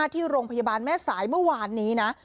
ที่โรงพยาบาลแม่สายเมื่อวานนี้นะ